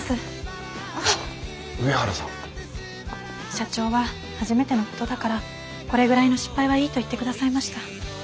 社長は初めてのことだからこれぐらいの失敗はいいと言って下さいました。